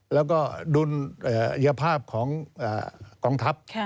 แล้วก็ดุลยภาพของกองทัพ